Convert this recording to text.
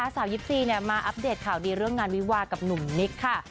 สาวยิปซีเนี่ยมาอัปเดตข่าวดีเรื่องงานวิวาร์กับหนุ่มนิคค่ะ